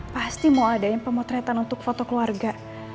pasti mau adain pemotretan untuk foto keluarga